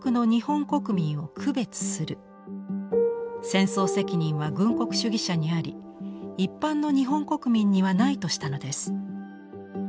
戦争責任は軍国主義者にあり一般の日本国民にはないとしたのです。